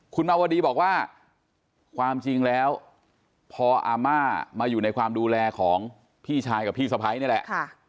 คุณมาวดีบอกว่าความจริงแล้วพออาม่ามาอยู่ในความดูแลของพี่ชายกับพี่สะพ้ายนี่แหละ